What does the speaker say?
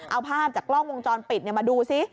เอาภาพจากกล้องวงจรปิดมาดูซิ